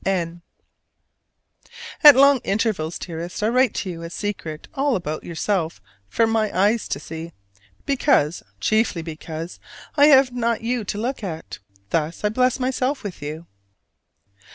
N. At long intervals, dearest, I write to you a secret all about yourself for my eyes to see: because, chiefly because, I have not you to look at. Thus I bless myself with you.